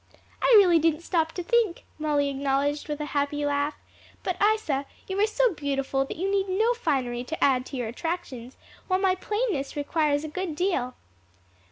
"I really didn't stop to think," Molly acknowledged with a happy laugh; "but, Isa, you are so beautiful that you need no finery to add to your attractions, while my plainness requires a good deal."